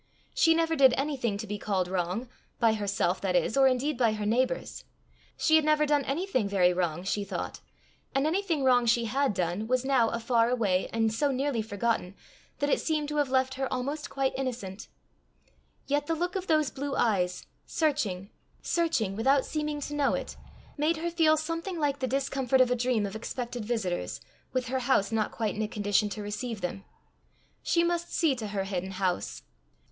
She never did anything to be called wrong by herself, that is, or indeed by her neighbours. She had never done anything very wrong, she thought; and anything wrong she had done, was now far away and so nearly forgotten, that it seemed to have left her almost quite innocent; yet the look of those blue eyes, searching, searching, without seeming to know it, made her feel something like the discomfort of a dream of expected visitors, with her house not quite in a condition to receive them. She must see to her hidden house.